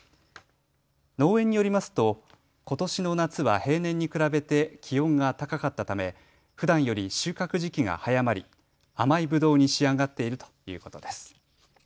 農園によりますとことしの夏は平年に比べて気温が高かったため、ふだんより収穫時期が早まり、甘いぶどうに仕上がっているということです。